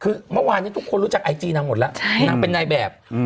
คือเมื่อวานนี้ทุกคนรู้จักไอจีนางหมดแล้วนางเป็นนายแบบ